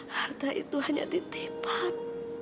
harta itu hanya titipan